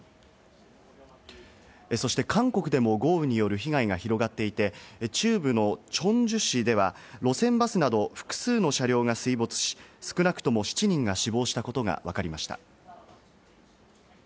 そして韓国でも豪雨による被害が広がっていて、中部のチョンジュ市では路線バスなど複数の車両が水没し、少なくとも７人が死亡したことがわかりました。